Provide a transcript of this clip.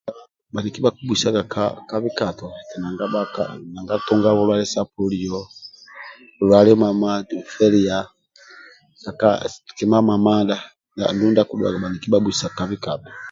baniki bakubu hisaga ka bhikato nanga tunga bulwaye so poliyo bulwaye na kima mamada andulu ndia kidhuwaga babuhisa kabhikato